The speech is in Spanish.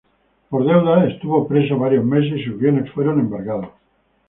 Por deudas, estuvo preso varios meses y sus bienes fueron embargados.